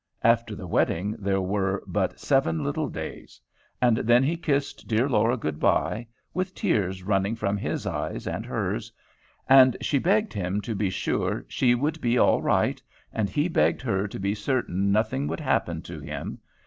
After the wedding there were but seven little days. And then he kissed dear Laura good by, with tears running from his eyes and hers, and she begged him to be sure she should be all right, and he begged her to be certain nothing would happen to him.